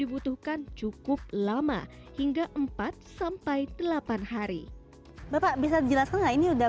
dibutuhkan cukup lama hingga empat sampai delapan hari bapak bisa dijelaskan nah ini udah